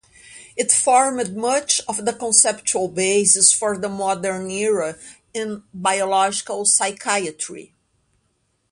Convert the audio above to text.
It formed much of the conceptual basis for the modern era in biological psychiatry.